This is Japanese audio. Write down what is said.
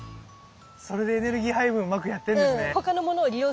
それでエネルギー配分うまくやってんですね。